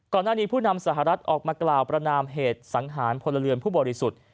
ผู้นำสหรัฐออกมากล่าวประนามเหตุสังหารพลเรือนผู้บริสุทธิ์